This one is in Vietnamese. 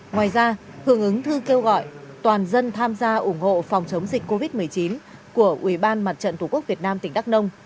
ngoài ra hưởng ứng thư kêu gọi toàn dân tham gia ủng hộ phòng chống dịch covid một mươi chín của ủy ban mặt trận tổ quốc việt nam tỉnh đắk nông